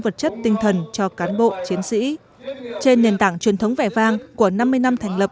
vật chất tinh thần cho cán bộ chiến sĩ trên nền tảng truyền thống vẻ vang của năm mươi năm thành lập